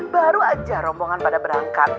baru aja rombongan pada berangkat